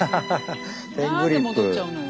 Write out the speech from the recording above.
何で戻っちゃうのよ？